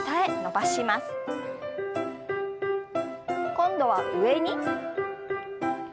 今度は上に。